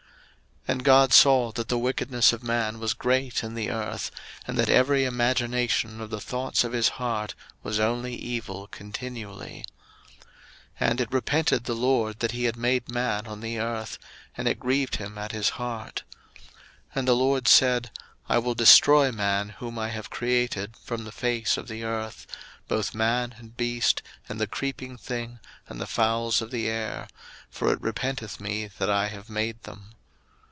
01:006:005 And God saw that the wickedness of man was great in the earth, and that every imagination of the thoughts of his heart was only evil continually. 01:006:006 And it repented the LORD that he had made man on the earth, and it grieved him at his heart. 01:006:007 And the LORD said, I will destroy man whom I have created from the face of the earth; both man, and beast, and the creeping thing, and the fowls of the air; for it repenteth me that I have made them.